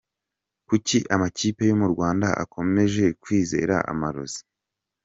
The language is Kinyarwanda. Kuki amakipe yo mu Rwanda akomeje kwizera amarozi?.